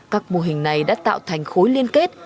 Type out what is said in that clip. các mô hình này đã tạo thành khối liên kết